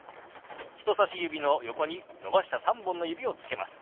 人さし指の横に伸ばした３本の指をつけます。